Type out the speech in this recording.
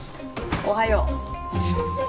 おはよう。